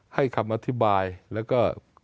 ให้คำอธิบายแล้วก็